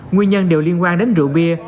nguyên nhân đều liên quan đến rượu bia